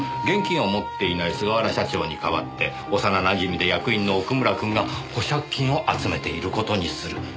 現金を持っていない菅原社長に代わって幼なじみで役員の奥村くんが保釈金を集めている事にする。